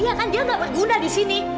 iya kan dia gak berguna disini